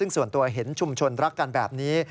ซึ่งส่วนตัวเห็นชุมชนรักกันแบบนี้